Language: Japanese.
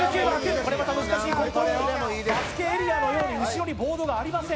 これまた難しいコントロール、バスケエリアのように後ろにボードがありません。